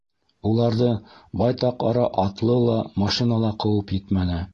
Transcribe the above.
Уларҙы байтаҡ ара атлы ла, машина ла ҡыуып етмәне.